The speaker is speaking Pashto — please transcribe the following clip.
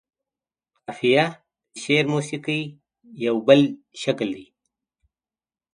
قافيه د شعر موسيقۍ يو بل شکل دى.